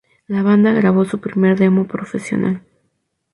La banda grabó su primer demo profesional.